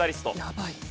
やばい。